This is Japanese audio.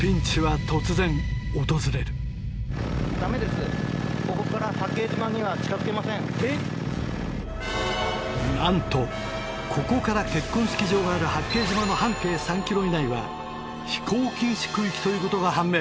しかしなんとここから結婚式場がある八景島の半径３ｋｍ以内は飛行禁止区域ということが判明